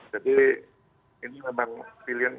jadi ini memang pilihan